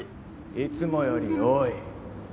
いつもより多い。